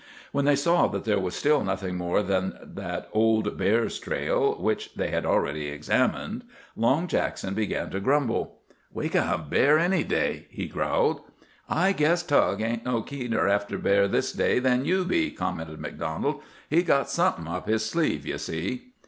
When they saw that there was still nothing more than that old bear's trail, which they had already examined, Long Jackson began to grumble. "We kin hunt bear any day," he growled. "I guess Tug ain't no keener after bear this day than you be," commented MacDonald. "He's got somethin' up his sleeve, you see!"